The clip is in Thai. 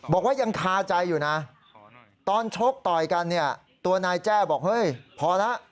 บอกว่ายังคาใจอยู่นะตอนชกต่อยกันเนี่ยตัวนายแจ้บอกเฮ้ยพอแล้ว